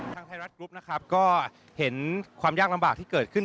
ไทยรัฐกรุ๊ปนะครับก็เห็นความยากลำบากที่เกิดขึ้น